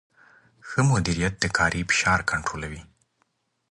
ښه مدیریت د کاري فشار کنټرولوي.